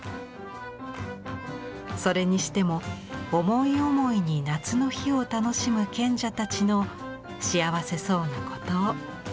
それにしても思い思いに夏の日を楽しむ賢者たちの幸せそうなこと。